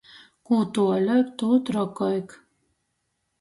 Kū tuoļuok, tū trokuok.